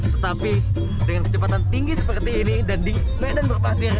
tetapi dengan kecepatan tinggi seperti ini dan di medan berpatian